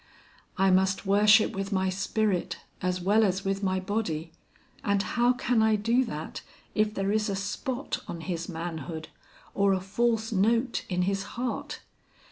"I must worship with my spirit as well as with my body, and how can I do that if there is a spot on his manhood, or a false note in his heart.